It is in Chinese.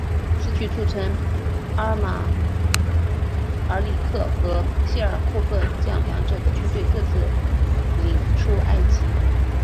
此举促成阿马尔里克和谢尔库赫将两者的军队各自领出埃及。